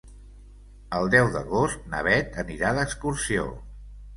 El deu d'agost na Bet anirà d'excursió.